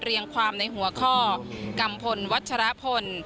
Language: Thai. เรียงความในหัวข้อกัมพลวัชรพล